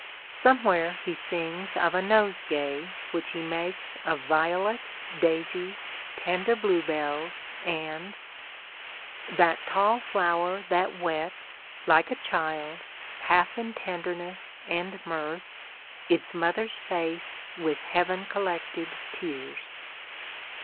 Somewhere he sings of a nosegay which he makes of violets, daisies, tender bluebells and— That tall flower that wets, Like a child, half in tenderness and mirth, Its mother's face with heaven collected tears.